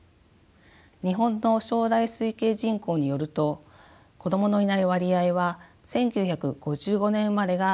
「日本の将来推計人口」によると子どものいない割合は１９５５年生まれが１２．６％